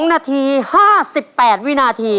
๒นาที๕๘วินาที